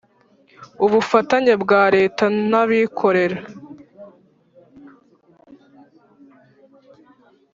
ubufatanye bwa Leta n abikorera